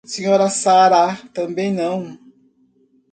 Sra Sarah também não.